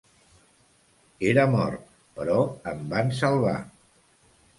Era mort, però em van salvar.